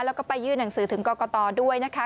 แล้วก็ไปยื่นหนังสือถึงกรกตด้วยนะคะ